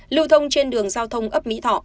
lưu thông trên đường giao thông ấp mỹ thọ